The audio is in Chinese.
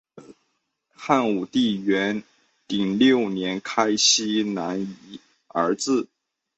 汉武帝元鼎六年开西南夷而置。